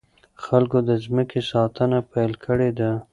خلکو د ځمکې ساتنه پيل کړې ده.